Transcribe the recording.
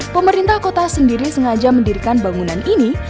pemerintah kota sendiri sengaja mendirikan bangunan ini